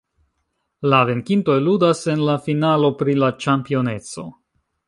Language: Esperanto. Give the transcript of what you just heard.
La venkintoj ludas en la finalo pri la ĉampioneco.